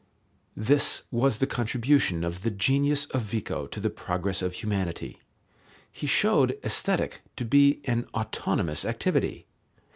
This was the contribution of the genius of Vico to the progress of humanity: he showed Aesthetic to be an autonomous activity.